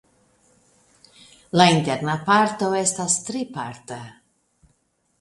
La interna parto estas triparta.